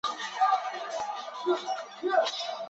这样做的目的是为了防止华人援助马来亚共产党。